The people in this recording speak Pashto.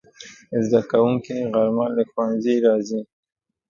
زدهکوونکي غرمه له ښوونځي راځي